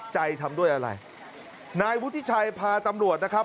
ทำด้วยอะไรนายวุฒิชัยพาตำรวจนะครับ